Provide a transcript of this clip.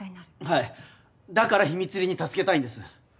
はいだから秘密裏に助けたいんです。